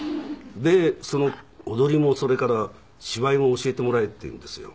で踊りもそれから芝居も「教えてもらえ」って言うんですよ。